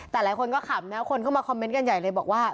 แต่หลายคนก็ขำนะคนเข้ามาคอมเมนต์กันใหญ่เลยบอกว่า